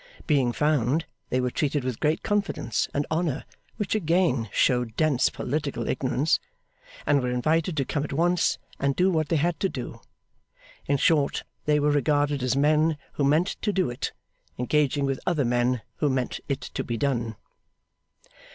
Being found, they were treated with great confidence and honour (which again showed dense political ignorance), and were invited to come at once and do what they had to do. In short, they were regarded as men who meant to do it, engaging with other men who meant it to be done.